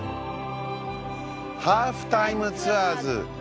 『ハーフタイムツアーズ』。